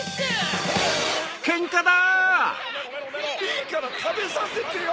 いいからたべさせてよ！